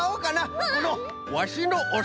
このワシのおさつでね。